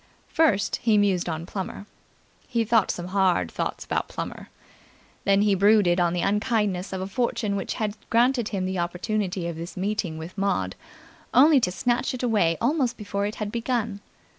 First, he mused on Plummer. He thought some hard thoughts about Plummer. Then he brooded on the unkindness of a fortune which had granted him the opportunity of this meeting with Maud, only to snatch it away almost before it had begun.